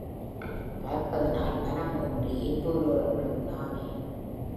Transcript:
பார்ப்பதனால் மனம் ஒன்றி இன்புறுபவர்களும் நாமே.